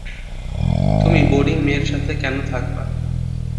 তুমি বোরিং মেয়ের সাথে কেন থাকবা?